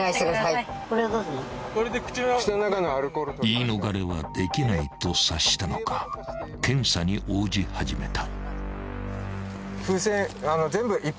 ［言い逃れはできないと察したのか検査に応じ始めた］